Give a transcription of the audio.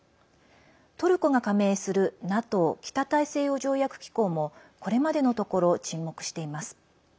トルコが加盟するＮＡＴＯ＝北大西洋条約機構もこれまでのところ沈黙しています。